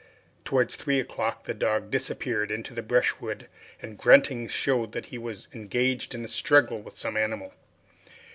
Towards three o'clock the dog disappeared in the brushwood and gruntings showed that he was engaged in a struggle with some animal.